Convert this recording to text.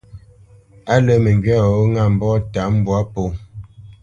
Á lə̄ məŋgywá weghó ŋâ mbɔ́ta mbwǎ pō.